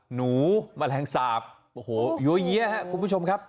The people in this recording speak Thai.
หนูแมลงสาปโอ้โหโยเยี่ยมคุณผู้ชมครับ